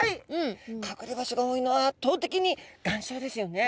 かくれ場所が多いのはあっとう的に岩礁ですよね。